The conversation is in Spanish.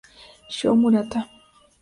Sho Murata